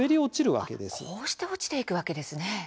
こうして落ちていくわけですね。